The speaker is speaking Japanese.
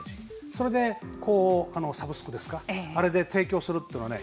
それで、サブスクですかあれで提供するというのはね